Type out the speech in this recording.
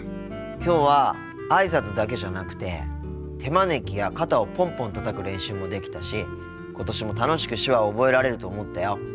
きょうはあいさつだけじゃなくて手招きや肩をポンポンたたく練習もできたし今年も楽しく手話を覚えられると思ったよ。